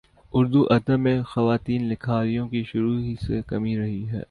اردو ادب میں خواتین لکھاریوں کی شروع ہی سے کمی رہی ہے